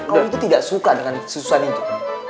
kau itu tidak suka dengan susan itu